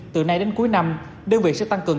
từ nay đến cuối năm đơn vị sẽ tăng cường